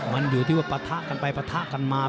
มันอยู่ที่ว่าปะทะกันไปปะทะกันมา